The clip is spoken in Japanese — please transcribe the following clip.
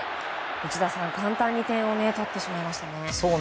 内田さん、簡単に点を取ってしまいましたね。